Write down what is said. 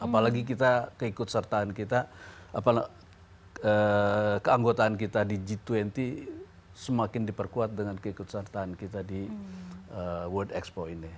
apalagi kita keikut sertaan kita keanggotaan kita di g dua puluh semakin diperkuat dengan keikutsertaan kita di world expo ini